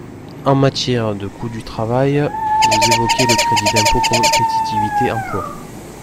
En matière de coût du travail, vous évoquez le crédit d’impôt compétitivité emploi.